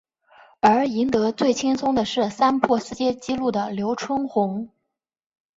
而赢得最轻松的是三破世界纪录的刘春红。